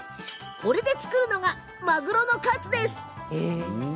これで作るのがマグロのカツです。